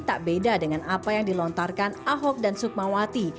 tak beda dengan apa yang dilontarkan ahok dan sukmawati